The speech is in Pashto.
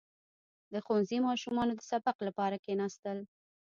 • د ښوونځي ماشومانو د سبق لپاره کښېناستل.